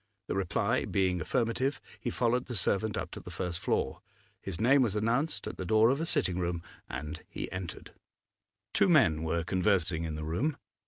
The reply being affirmative, he followed the servant up to the first floor. His name was announced at the door of a sitting room, and he entered. Two men were conversing in the room.